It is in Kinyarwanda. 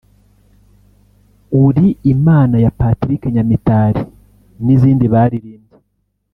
Uri Imana ya Patrick Nyamitali n'izindi baririmbye